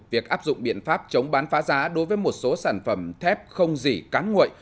việc áp dụng biện pháp chống bán phá giá đối với một số sản phẩm thép không dỉ cán nguội